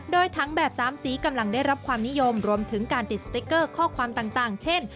โดยถังแบบ๓สีกำลังได้รับความนิยมรวมถึงการติดสติ๊กเกอร์ข้อความต่างเช่น